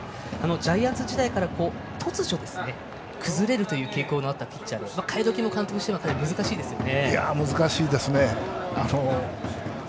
ジャイアンツ時代から突如、崩れるという傾向のあったピッチャーで代え時も監督としては難しいですよね。